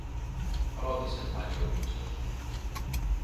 ρώτησε πάλι ο Μήτσος